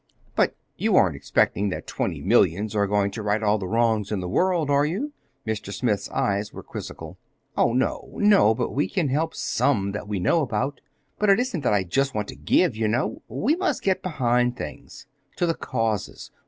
"But you aren't expecting that twenty millions are going to right all the wrongs in the world, are you?" Mr. Smith's eyes were quizzical. "No, oh, no; but we can help some that we know about. But it isn't that I just want to give, you know. We must get behind things—to the causes.